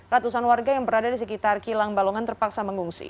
ratusan warga yang berada di sekitar kilang balongan terpaksa mengungsi